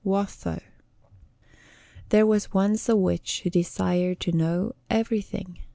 WATHO. There was once a witch who desired to know everything.